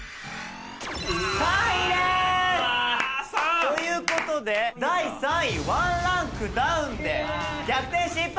３位です！という事で第３位１ランクダウンで逆転失敗！